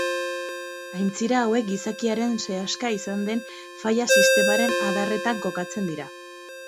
Aintzira hauek gizakiaren sehaska izan den faila-sistemaren adarretan kokatzen dira.